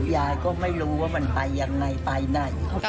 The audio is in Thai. ยายก็ไม่รู้ว่ามันไปยังไงไปไหน